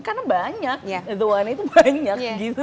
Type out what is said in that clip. karena banyak the one itu banyak